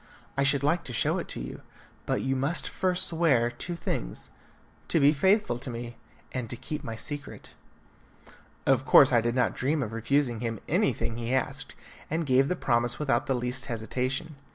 I should like to show it to you, but you must first swear two things: to be faithful to me, and to keep my secret." Of course I did not dream of refusing him anything he asked, and gave the promise without the least hesitation.